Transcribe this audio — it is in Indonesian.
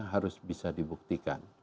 harus bisa dibuktikan